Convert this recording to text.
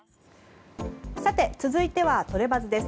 続いてはトレバズです。